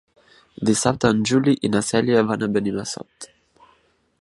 Dissabte en Juli i na Cèlia van a Benimassot.